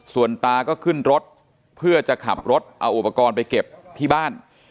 ส่วนตาก็ขึ้นรถเพื่อจะขับรถเอาอุปกรณ์ไปเก็บที่บ้าน